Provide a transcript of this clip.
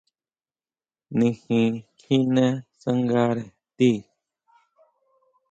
Nijin kjine tsangare tii.